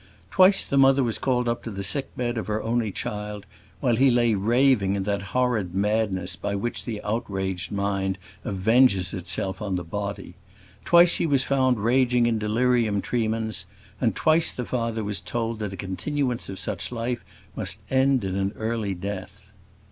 Twice the mother was called up to the sick bed of her only child, while he lay raving in that horrid madness by which the outraged mind avenges itself on the body! Twice he was found raging in delirium tremens, and twice the father was told that a continuance of such life must end in an early death.